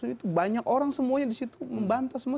itu banyak orang semuanya disitu membantah semua